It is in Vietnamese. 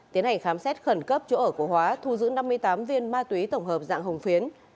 tiến hành khám xét khẩn cấp chỗ ở của hóa thu giữ năm mươi tám viên ma túy tổng hợp dạng hồng phiến